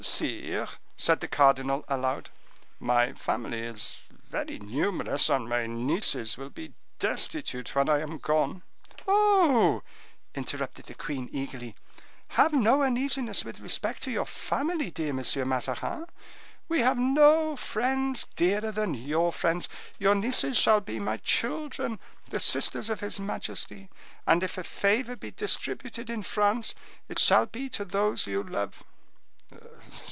"Sire," said the cardinal, aloud, "my family is very numerous, and my nieces will be destitute when I am gone." "Oh," interrupted the queen, eagerly, "have no uneasiness with respect to your family, dear Monsieur Mazarin; we have no friends dearer than your friends; your nieces shall be my children, the sisters of his majesty; and if a favor be distributed in France, it shall be to those you love."